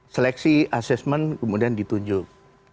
seleksi assessment kemudian ditunjuk